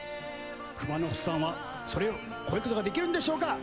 熊之細さんはそれを超えることができるんでしょうか？